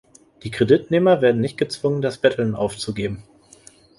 Die Kreditnehmer werden nicht gezwungen das Betteln aufzugeben.